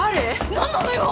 何なのよ？